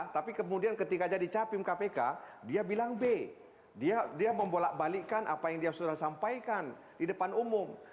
tapi kemudian ketika jadi capim kpk dia bilang b dia membolak balikan apa yang dia sudah sampaikan di depan umum